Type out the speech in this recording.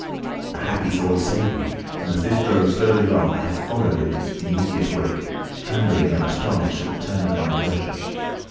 A happy thought saved me, and as this drove slowly along I followed in its immediate wake, trembling and astonished at the turn of my adventure.